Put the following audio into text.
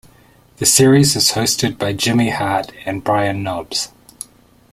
The series is hosted by Jimmy Hart and Brian Knobs.